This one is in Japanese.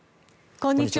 こんにちは。